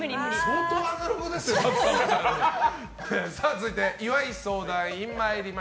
続いて、岩井相談員。